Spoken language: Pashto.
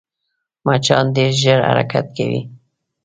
مچان ډېر ژر حرکت کوي